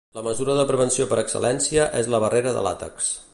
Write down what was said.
La mesura de prevenció per excel·lència és la barrera de làtex.